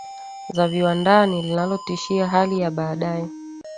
za viwandani linalotishia hali ya baadaye